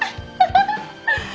ハハハハ。